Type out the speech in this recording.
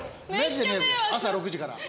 朝６時から。